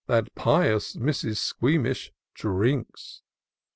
That pious Mrs. Squeamish drinks.